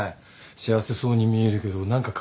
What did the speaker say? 幸せそうに見えるけど何か抱えてそうとか。